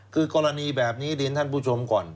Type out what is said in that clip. คือกรณีแบบนี้เรียนท่านผู้ชมก่อน